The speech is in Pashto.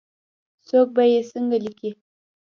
څوک به یې څنګه لیکې ؟